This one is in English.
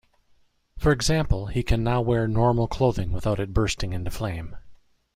For example, he can now wear normal clothing without it bursting into flame.